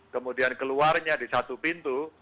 kemudian keluarnya di satu pintu